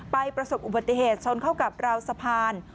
ประสบอุบัติเหตุชนเข้ากับราวสะพาน